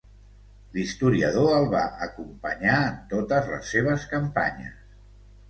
L'historiador el va acompanyar en totes les seves campanyes.